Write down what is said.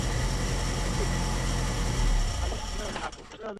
Hata pia upande wa mikopo kwa mataifa mbalimbali Duniani kote